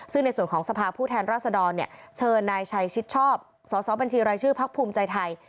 ซึ่งในส่วนของสภาพผู้แทนราษดรเชิญนายชัยชิดชอบสสบัญชีรายชื่อพักภูมิใจไทย